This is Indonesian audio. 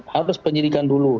harus penyidikan dulu